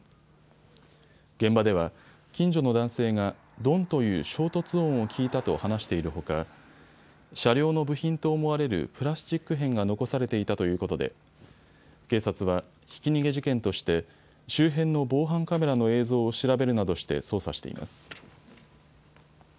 現場では近所の男性がドンという衝突音を聞いたと話しているほか車両の部品と思われるプラスチック片が残されていたということで警察はひき逃げ事件として周辺の防犯カメラの映像を調べるなどして捜査しています。